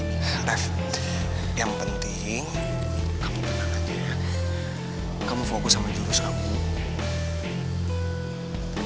akhirnya rech yang penting kamu menang aja ya kamu fokus sama jurus sewaktu